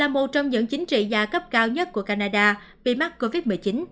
là một trong những chính trị gia cấp cao nhất của canada bị mắc covid một mươi chín